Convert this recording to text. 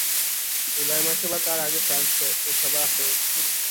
জুলাই মাসে বা তার আগেই ফ্রান্সে পৌঁছবার আশা করছি।